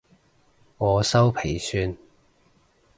我修皮算